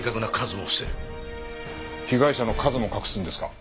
被害者の数も隠すんですか？